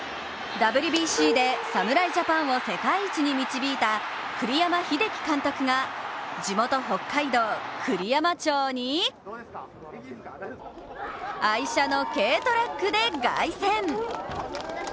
ＷＢＣで侍ジャパンを世界一に導いた栗山英樹監督が地元・北海道栗山町に愛車の軽トラックで凱旋！